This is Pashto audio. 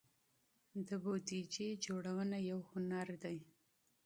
د بودیجې جوړونه یو هنر دی.